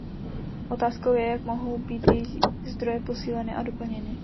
Otázkou je, jak mohou být její zdroje posíleny a doplněny.